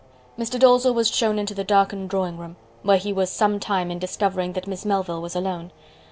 Mr. Dalzell was shown into the darkened drawing room, where he was some time in discovering that Miss Melville was alone.